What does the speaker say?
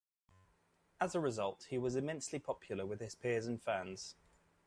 As a result, he was immensely popular with his peers and fans.